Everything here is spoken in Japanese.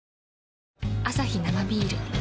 アサヒ生ビール